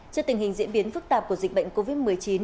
trước tình hình diễn biến phức tạp của dịch bệnh covid một mươi chín